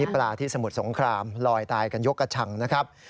ปลาที่สมุทรสงครามลอยตายกันยกกระชังนะครับ